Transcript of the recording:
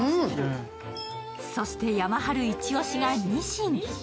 そして山治イチオシがニシン。